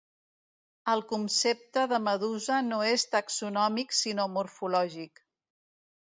El concepte de medusa no és taxonòmic sinó morfològic.